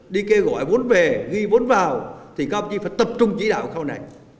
đi kêu gọi vốn về ghi vốn vào thì các ông chí phải tập trung chỉ đạo khâu này